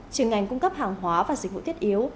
trường ngành cung cấp hàng hóa và dịch vụ thiết yếu